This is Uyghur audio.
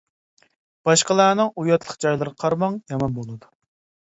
باشقىلارنىڭ ئۇياتلىق جايلىرىغا قارىماڭ، يامان بولىدۇ.